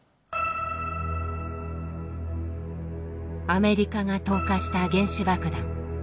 アメリカが投下した原子爆弾。